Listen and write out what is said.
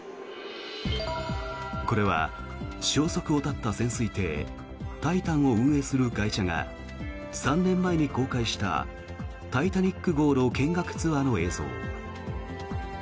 これは消息を絶った潜水艇「タイタン」を運営する会社が３年前に公開した「タイタニック号」の見学ツアーの映像。